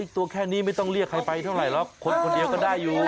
ตัวแค่นี้ไม่ต้องเรียกใครไปเท่าไหร่หรอกคนคนเดียวก็ได้อยู่